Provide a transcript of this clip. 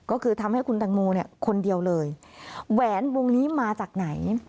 ก็คือทำให้คุณตังโมเนี่ยคนเดียวเลยแหวนวงนี้มาจากไหน